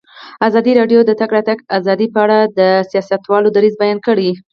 ازادي راډیو د د تګ راتګ ازادي په اړه د سیاستوالو دریځ بیان کړی.